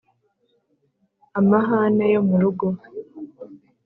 Amahane yo mu rugo,